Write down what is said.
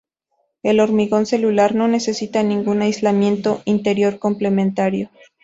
El hormigón celular no necesita ningún aislamiento interior complementario.